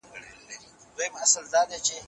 ښوونځي د پوهې ځای دی.